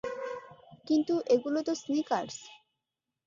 কিন্তু এগুলো তো স্নিকার্স।